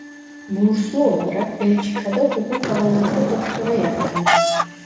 Burslu olarak Belçika'da hukuk alanında doktora yaptı.